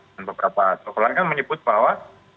dan beberapa tokoh lainnya menyebut bahwa